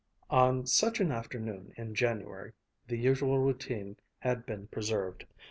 On such an afternoon in January, the usual routine had been preserved.